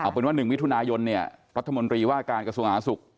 เอาเป็นว่า๑วิทยุนายนรัฐมนตรีว่าการกระทรวงศาสตร์สุข